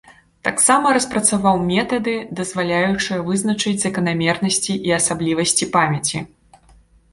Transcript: Таксама распрацаваў метады, дазваляючыя вызначыць заканамернасці і асаблівасці памяці.